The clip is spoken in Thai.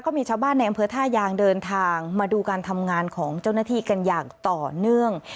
มีชาวบ้านในอำเภอท่ายางเดินทางมาดูการทำงานของเจ้าหน้าที่กันอย่างต่อเนื่อง